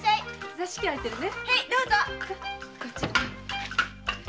座敷空いてるね？